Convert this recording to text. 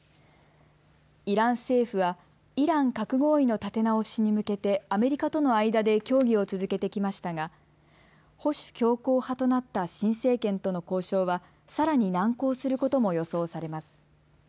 イラン政府はイラン核合意の立て直しに向けてアメリカとの間で協議を続けてきましたが保守強硬派となった新政権との交渉は、さらに難航することも予想されます。